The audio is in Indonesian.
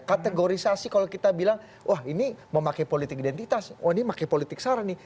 kategorisasi kalau kita bilang wah ini memakai politik identitas oh ini memakai politik sara nih